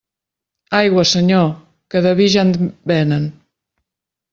Aigua, Senyor, que de vi ja en venen.